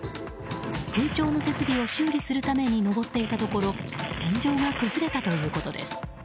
空調の設備を修理するために上っていたところ天井が崩れたということです。